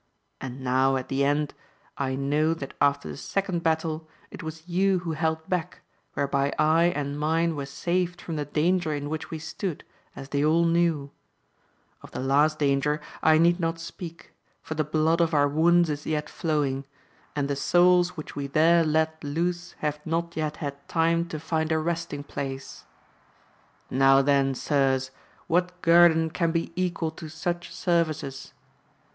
And now at the end, I know that after the second battle, it was you who held back, whereby I and mine were saved from the danger in which we stood, as they all knew ; of the last danger I need not speak, for the blood of our wounds is yet flowing, and the souls which we there let loose, have not yet had time to find a resting place. Now then, sirs, what guerdon can be equal to such services